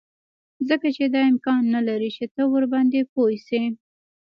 ځکه چې دا امکان نلري چې ته ورباندې پوه شې